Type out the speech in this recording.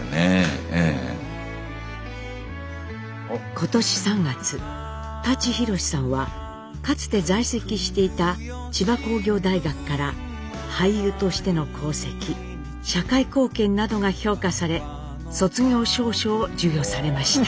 今年３月舘ひろしさんはかつて在籍していた千葉工業大学から俳優としての功績社会貢献などが評価され卒業証書を授与されました。